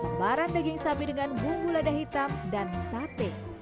lembaran daging sapi dengan bumbu lada hitam dan sate